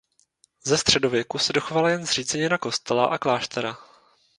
Ze středověku se dochovala jen zřícenina kostela a kláštera.